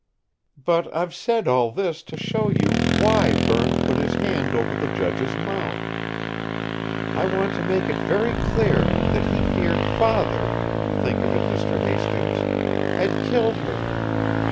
"But I've said all this to show you why Berne put his hand over the judge's mouth. I want to make it very clear that he feared father think of it, Mr. Hastings! had killed her!